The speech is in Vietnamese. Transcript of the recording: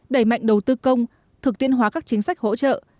đẩy mạnh đầu tư công thực tiên hóa các chính sách hỗ trợ